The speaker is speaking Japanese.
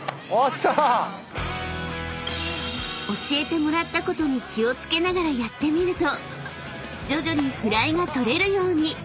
［教えてもらったことに気を付けながらやってみると徐々にフライが捕れるように］